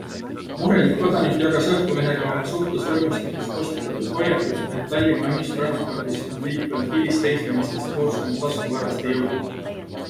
Murelik kodanik jagas Õhtulehega oma suhtlusvõrgustikus postitatud hoiatust, et Tallinna ühistranspordis on liikvel hilisteismelistest koosnev taskuvaraste jõuk.